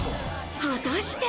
果たして。